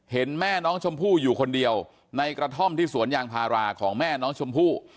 เห็นแม่น้องชมพู่อยู่คนเดียวในกระท่อมที่สวนยางพาราของแม่น้องชมพู่